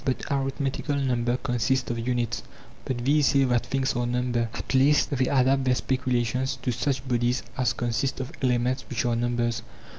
but arithmetical number consists of units. But these say that things are number; at least, they adapt their speculations to such bodies as consist of elements which are numbers.